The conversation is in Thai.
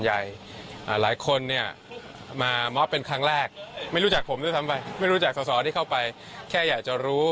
หลายคนเนี่ยมามอบเป็นครั้งแรกไม่รู้จักผมเลยทำไมไม่รู้จักสกส่อด